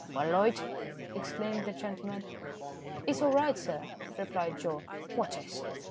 "Well, Loyd," exclaimed that gentleman. "It's all right, sir," replied Joe. "What is?"